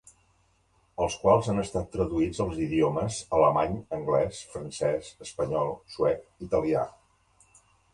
Els quals han estat traduïts als idiomes: alemany, anglès, francès, espanyol, suec, italià.